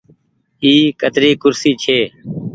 اي ڪتري ڪُرسي ڇي۔